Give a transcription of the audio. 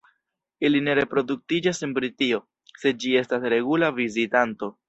Ili ne reproduktiĝas en Britio, sed ĝi estas regula vizitanto.